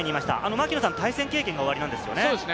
槙野さん、対戦経験がおありなんですよね？